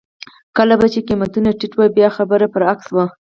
کله به چې قېمتونه ټیټ وو بیا خبره برعکس وه.